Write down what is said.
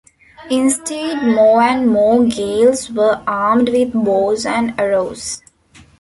Instead, more and more Gaels were armed with bows and arrows.